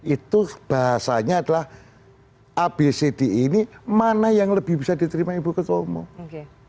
itu bahasanya adalah abcd ini mana yang lebih bisa diterima ibu ketua umum